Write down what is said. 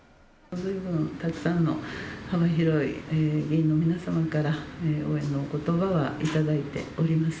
ずいぶんたくさんの幅広い議員の皆様から応援のことばは頂い